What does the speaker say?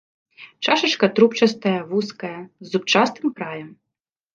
Чашачка трубчастая, вузкая, з зубчастым краем.